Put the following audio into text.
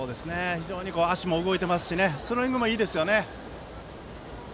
非常に足も動いていますしスローイングもいいですよね。